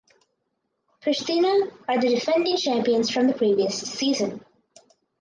Prishtina are the defending champions from the previous season.